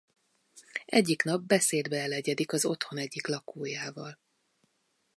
Egyik nap beszédbe elegyedik az otthon egyik lakójával.